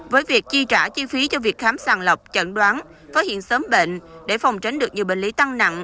với việc chi trả chi phí cho việc khám sàng lọc chẩn đoán phát hiện sớm bệnh để phòng tránh được nhiều bệnh lý tăng nặng